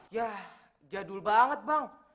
yah jadul banget bang